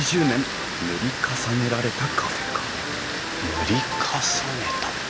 塗り重ねた。